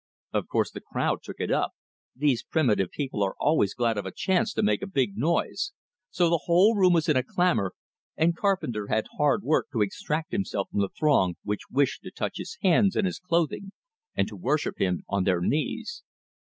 Of course the crowd took it up these primitive people are always glad of a chance to make a big noise, so the whole room was in a clamor, and Carpenter had hard work to extract himself from the throng which wished to touch his hands and his clothing, and to worship him on their knees.